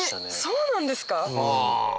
そうなんですか？